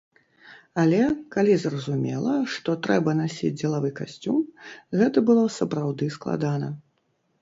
Але, калі зразумела, што трэба насіць дзелавы касцюм, гэта было сапраўды складана.